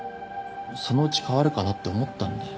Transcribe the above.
そのうち変わるかなって思ったんだよ